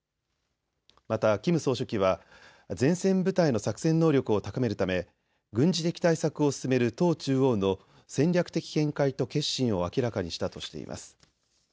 またキム総書記は前線部隊の作戦能力を高めるため軍事的対策を進める党中央の戦略的見解と決心を明らかにしたとしています。